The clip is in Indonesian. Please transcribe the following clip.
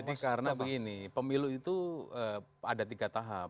jadi karena begini pemilu itu ada tiga tahap